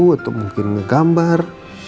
atau mungkin gambar